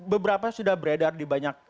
beberapa sudah beredar di banyak